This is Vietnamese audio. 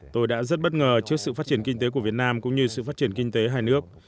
tôi đã rất bất ngờ trước sự phát triển kinh tế của việt nam cũng như sự phát triển kinh tế hai nước